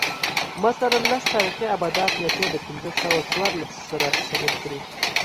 مثلاً لس تاریخي آبدات نېټې د پنځه سوه څوارلس سره سمون خوري